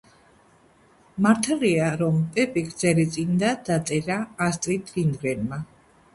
მართალია, რომ პეპი გრძელიწინდა დაწერა ასტრიდ ლინდგრენმა